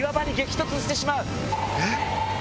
えっ？